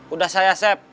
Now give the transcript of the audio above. udah saya sep